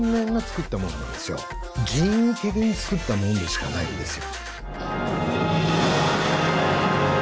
人為的に作ったものでしかないんですよ。